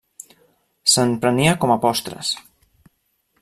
Se'n prenia com a postres.